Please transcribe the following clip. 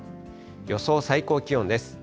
予想最高気温です。